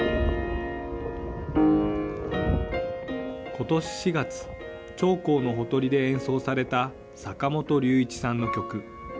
ことし４月、長江のほとりで演奏された坂本龍一さんの曲。